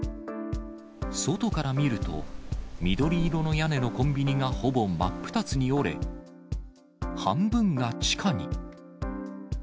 外から見ると、緑色の屋根のコンビニがほぼ真っ二つに折れ、半分が地下に。